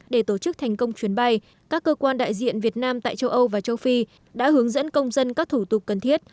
để tổ chức thành công chuyến bay các cơ quan đại diện việt nam tại châu âu và châu phi đã hướng dẫn công dân các thủ tục cần thiết